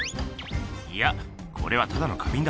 いやこれはただの花瓶だ。